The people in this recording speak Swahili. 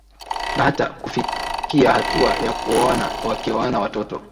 na hata kufikiahatua ya kuoana wakioana watoto